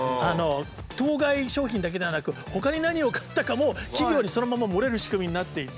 当該商品だけではなくほかに何を買ったかも企業にそのまま漏れる仕組みになっていて。